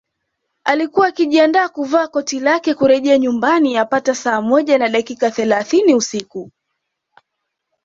Alikuwa akijiandaa kuvaa koti lake kurejea nyumbani yapata saa moja na dakika thelathini usiku